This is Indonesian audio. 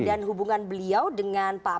dan hubungan beliau dengan pak prasetya